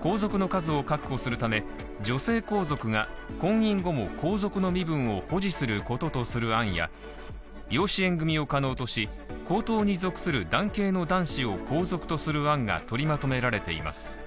皇族の数を確保するため、女性皇族が婚姻後も皇族の身分を保持することとする案や養子縁組を可能とし、皇統に属する男系の男子を皇族とする案が取りまとめられています。